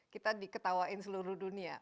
kita diketawain seluruh dunia